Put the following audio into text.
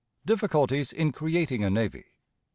Difficulties in creating a Navy.